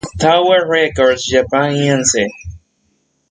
Tower Records Japan Inc.